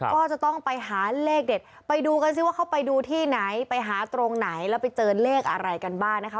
ก็จะต้องไปหาเลขเด็ดไปดูกันสิว่าเขาไปดูที่ไหนไปหาตรงไหนแล้วไปเจอเลขอะไรกันบ้างนะคะ